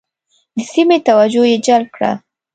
د سیمې توجه یې جلب کړه.